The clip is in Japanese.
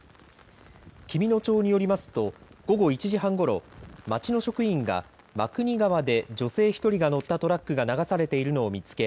紀美野町によりますと午後１時半ごろ町の職員が真国川で女性１人が乗ったトラックが流されているのを見つけ